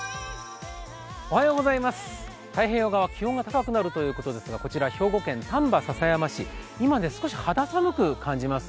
太平洋側、気温が高くなるということですがこちら兵庫県丹波篠山市、今少し肌寒く感じます。